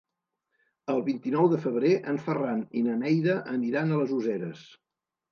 El vint-i-nou de febrer en Ferran i na Neida aniran a les Useres.